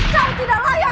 kau tidak layak